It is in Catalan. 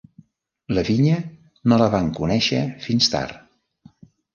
La vinya no la van conèixer fins tard.